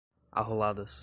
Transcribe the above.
arroladas